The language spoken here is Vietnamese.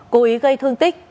cố ý gây thương tích